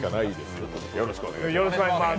よろしくお願いします。